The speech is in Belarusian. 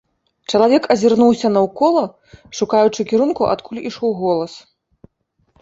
Чалавек азірнуўся наўкола, шукаючы кірунку, адкуль ішоў голас.